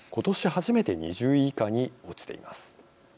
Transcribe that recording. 初めて２０位以下に落ちています。